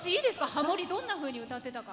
ハモり、どんなふうに歌ってたか。